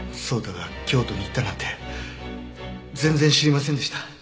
草太が京都に行ったなんて全然知りませんでした。